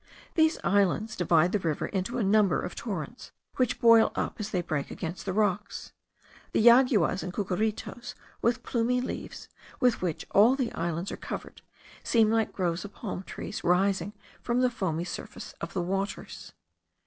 These islands divide the river into a number of torrents, which boil up as they break against the rocks. The jaguas and cucuritos with plumy leaves, with which all the islands are covered, seem like groves of palm trees rising from the foamy surface of the waters.